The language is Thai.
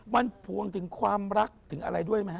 มันพวงถึงความรักถึงอะไรด้วยไหมฮ